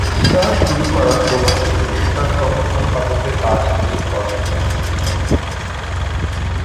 পিতার শুরু করা প্রবাসী পত্রিকার সহ-সম্পাদকের কাজ দিয়ে কর্মজীবন শুরু করেন।